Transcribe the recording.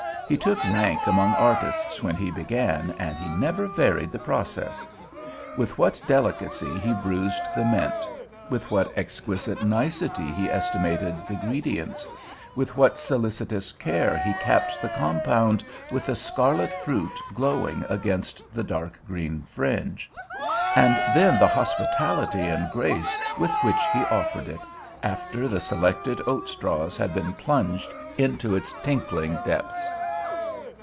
He took rank among artists when he began, and he never varied the process. With what delicacy he bruised the mint; with what exquisite nicety he estimated the ingredients; with what solicitous care he capped the compound with the scarlet fruit glowing against the dark green fringe! And then the hospitality and grace with which he offered it, after the selected oat straws had been plunged into its tinkling depths!